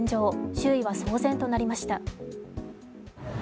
周囲が騒然となりました。